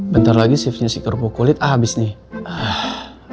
bentar lagi shiftnya si kerupuk kulit abis nih